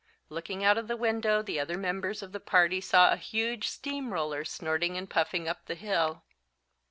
Looking out of the window the other members of the party saw a huge steam roller snorting and puffing up the hill.